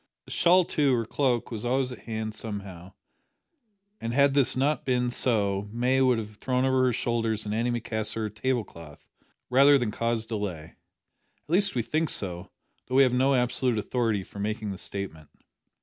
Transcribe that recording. A shawl too, or cloak, was always at hand, somehow, and had this not been so May would have thrown over her shoulders an antimacassar or table cloth rather than cause delay, at least we think so, though we have no absolute authority for making the statement.